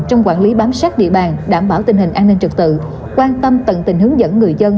trong quản lý bám sát địa bàn đảm bảo tình hình an ninh trực tự quan tâm tận tình hướng dẫn người dân